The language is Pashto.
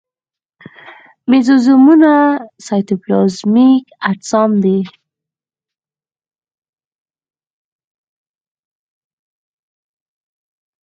مېزوزومونه سایتوپلازمیک اجسام دي.